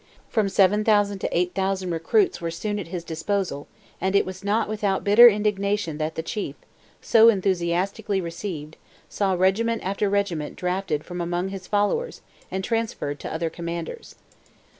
From 7,000 to 8,000 recruits were soon at his disposal, and it was not without bitter indignation that the chief, so enthusiastically received, saw regiment after regiment drafted from among his followers, and transferred to other commanders.